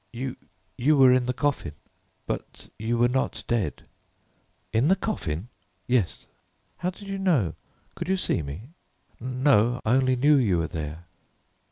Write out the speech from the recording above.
"You you were in the coffin; but you were not dead." "In the coffin?" "Yes." "How did you know? Could you see me?" "No; I only knew you were there."